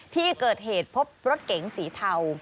ที่เกิดเหตุพบรถเก๋งสีเทา